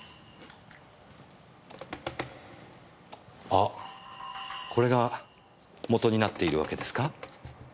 あっこれが元になっているわけですか？